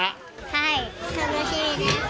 はい、楽しみです。